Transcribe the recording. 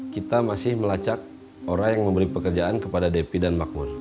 kita masih melacak orang yang memberi pekerjaan kepada depi dan makmur